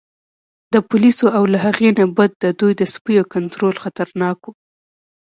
د پولیسو او له هغې نه بد د دوی د سپیو کنترول خطرناک و.